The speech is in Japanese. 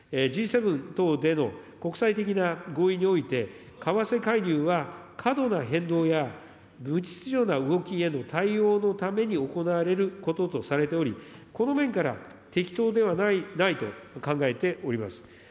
Ｇ７等での国際的な合意において、為替介入は過度な変動や、無秩序な動きへの対応のために行われることとされており、この面から、適当ではないと考えております。